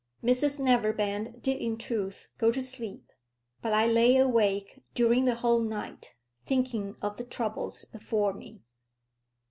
Mrs Neverbend did in truth go to sleep, but I lay awake during the whole night thinking of the troubles before me.